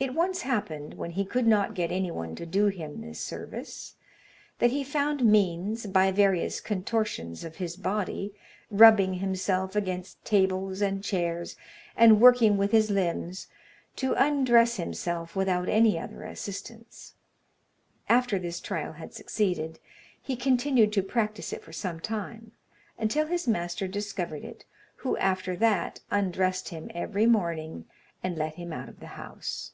It once happened, when he could not get any one to do him this service, that he found means, by various contortions of his body, rubbing himself against tables and chairs, and working with his limbs, to undress himself without any other assistance. After this trial had succeeded, he continued to practise it for some time, until his master discovered it, who after that undressed him every morning, and let him out of the house.